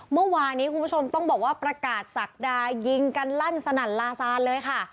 เมื่อวานี้คุณผู้ชมต้องบอกว่าประกาศศักดายิงกันลั่นสนั่นลาซานเลยค่ะ